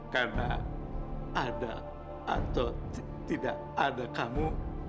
karena ada atau tidak ada kamu